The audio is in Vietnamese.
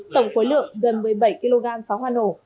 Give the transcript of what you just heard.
tổng khối lượng gần một mươi bảy kg pháo hoa nổ